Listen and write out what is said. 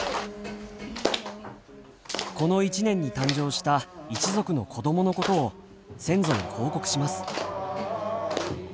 この一年に誕生した一族の子供のことを先祖に報告します。